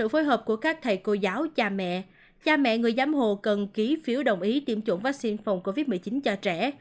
phối hợp của các thầy cô giáo cha mẹ cha mẹ người giám hộ cần ký phiếu đồng ý tiêm chủng vaccine phòng covid một mươi chín cho trẻ